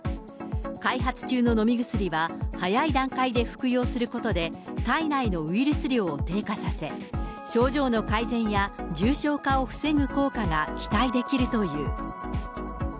開発中の飲み薬は早い段階で服用することで、体内のウイルス量を低下させ、症状の改善や重症化を防ぐ効果が期待できるという。